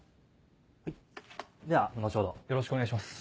では後ほどよろしくお願いします。